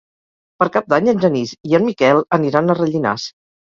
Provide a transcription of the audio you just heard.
Per Cap d'Any en Genís i en Miquel aniran a Rellinars.